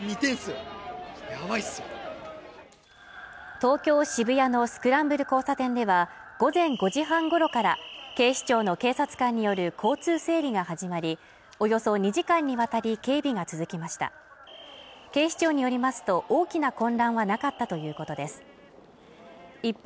東京渋谷のスクランブル交差点では午前５時半ごろから警視庁の警察官による交通整理が始まりおよそ２時間にわたり警備が続きました警視庁によりますと大きな混乱はなかったということです一方